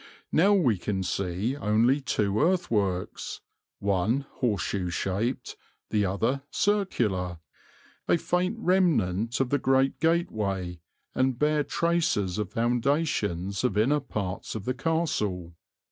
Now we can see only two earthworks, one horseshoe shaped, the other circular, a faint remnant of the great gateway, and bare traces of foundations of inner parts of the castle.